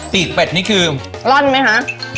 เป็ดนี่คือร่อนไหมคะ